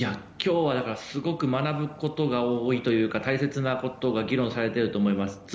今日はすごく学ぶことが多いというか大切なことが議論されていると思います。